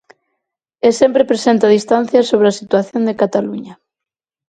E sempre presente a distancia sobre a situación de Cataluña.